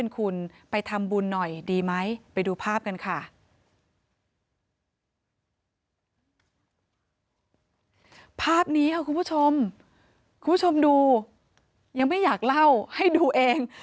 คุณผู้ชมดูยังไม่อยากเล่าให้ดูเอง